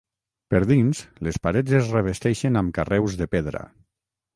Per dins, les parets es revesteixen amb carreus de pedra.